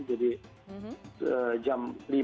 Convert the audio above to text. jadi jam lima itu